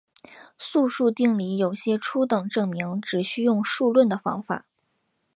素数定理有些初等证明只需用数论的方法。